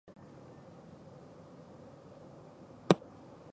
ゲーム実況者の声の大きさは、人によってまちまちである。また、そのスタイルも多種多様だ。